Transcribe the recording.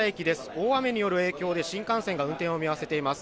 大雨による影響で新幹線が運転を見合わせています。